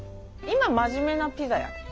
今真面目なピザや。